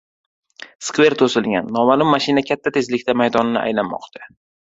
«Skver» to‘silgan: noma’lum mashina katta tezlikda maydonni aylanmoqda